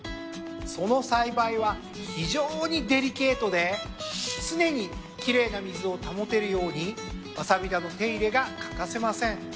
その栽培は非常にデリケートで常に奇麗な水を保てるようにわさび田の手入れが欠かせません。